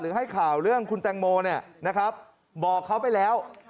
ให้ข่าวเรื่องคุณแตงโมบอกเขาไปแล้ว